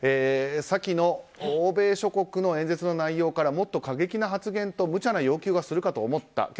先の欧米諸国の演説の内容からもっと過激な発言と無茶な要求をするかと思った。